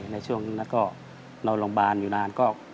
ในช่วงนั้นก็นอนโรงพยาบาลอยู่นานก็